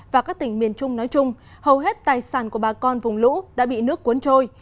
và các tỉnh miền trung nói chung hầu hết tài sản của bà con vùng lũ đã bị nước cuốn trôi